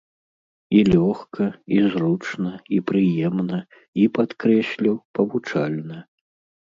І лёгка, і зручна, і прыемна, і, падкрэслю, павучальна.